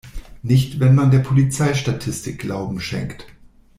Nicht wenn man der Polizeistatistik Glauben schenkt.